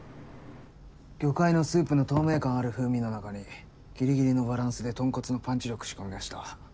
魚介のスープの透明感ある風味の中にギリギリのバランスで豚骨のパンチ力仕込みました。